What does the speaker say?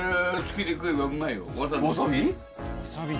わさび？